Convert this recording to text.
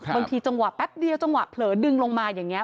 จังหวะแป๊บเดียวจังหวะเผลอดึงลงมาอย่างนี้